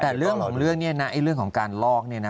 แต่เรื่องของเรื่องนี้นะเรื่องของการลอก